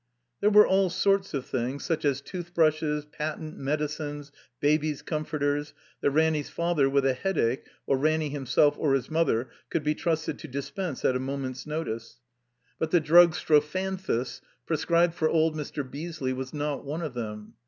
There were all sorts of things, such as tooth brushes, patent medicines, babies* comforters, that Ranny's father with a Headache, or Ranny himself or his mother cotdd be trusted to dispense at a mo ment's notice. But the drug strophanthus, pre scribed for old Mr. Beesley, was not one of them.